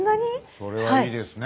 それはいいですね。